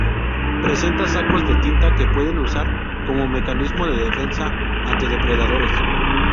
Presentan sacos de tinta que pueden usar como mecanismo de defensa ante depredadores.